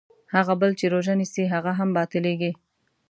هغه بل چې روژه نیسي هغه هم باطلېږي.